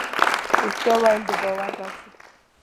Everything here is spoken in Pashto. رښتیا ویل د باور بنسټ دی.